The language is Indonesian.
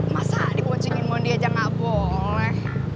masa diboncingin mohon dia aja gak boleh